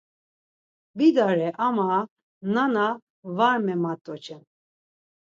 Vidare ama nana va memat'oçen.